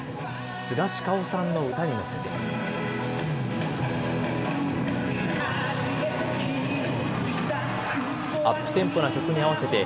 スガシカオさんの歌に乗せて。